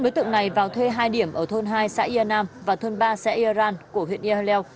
năm đối tượng này vào thuê hai điểm ở thôn hai xã yên nam và thôn ba xã yên ran của huyện e leo